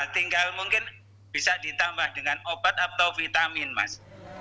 tinggal mungkin bisa ditambah dengan obat atau vitamin mas